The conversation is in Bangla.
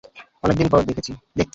অনেকদিন পর দেখছি।